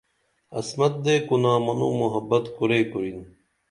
عصمت دے کُنا منوں محبت کُرئی کُرِن